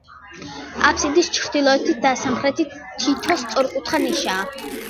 აბსიდის ჩრდილოეთით და სამხრეთით თითო სწორკუთხა ნიშაა.